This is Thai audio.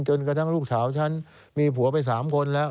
กระทั่งลูกสาวฉันมีผัวไป๓คนแล้ว